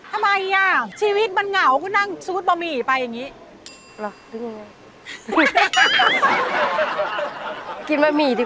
ทำไมอ่ะชีวิตมันเหงาก็นั่งซูดบะหมี่ไปอย่างนี้